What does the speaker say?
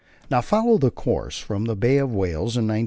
Now follow the course from the Bay of Whales in 1912.